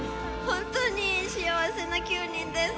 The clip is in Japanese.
本当に幸せな９人です。